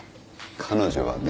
彼女はね